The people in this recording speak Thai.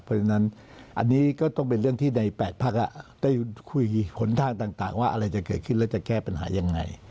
เพราะฉะนั้นอันนี้ก็ต้องเป็นเรื่องที่ใน๘พักได้คุยหนทางต่างว่าอะไรจะเกิดขึ้นแล้วจะแก้ปัญหายังไง